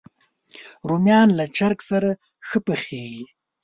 رومیان له چرګ سره ښه پخېږي